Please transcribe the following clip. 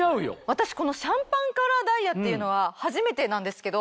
私このシャンパンカラーダイヤっていうのは初めてなんですけど。